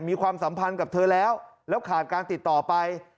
ความสัมพันธ์กับเธอแล้วแล้วขาดการติดต่อไป